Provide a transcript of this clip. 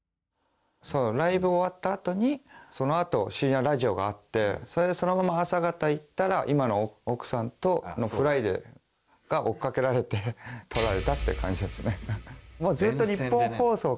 ライブ終わったあとにそのあと深夜ラジオがあってそれでそのまま朝方行ったら今の奥さんとの『ＦＲＩＤＡＹ』に追っかけられて撮られたって感じですね。